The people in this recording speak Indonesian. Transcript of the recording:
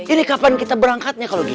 ini kapan kita berangkatnya kalau gitu